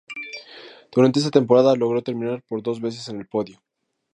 Durante esa temporada logró terminar por dos veces en el podio.